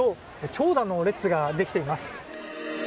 長蛇の列ができています。